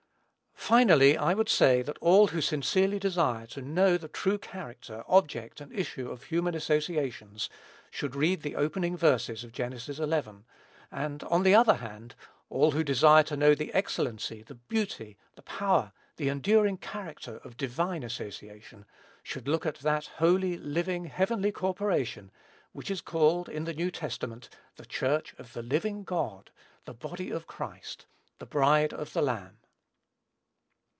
Finally, I would say, that all who sincerely desire to know the true character, object, and issue of human associations, should read the opening verses of Genesis xi.; and, on the other hand, all who desire to know the excellency, the beauty, the power, the enduring character of divine association, should look at that holy, living, heavenly corporation, which is called, in the New Testament, the Church of the living God, the body of Christ, the bride of the Lamb.